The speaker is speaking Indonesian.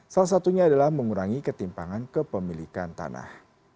salah satunya adalah mengurangi ketimpangan kepemilikan tanah